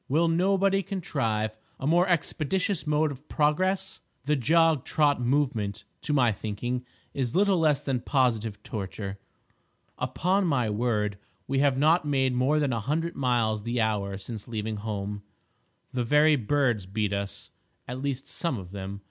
Will nobody contrive a more expeditious mode of progress? The jog trot movement, to my thinking, is little less than positive torture. Upon my word we have not made more than a hundred miles the hour since leaving home! The very birds beat us—at least some of them.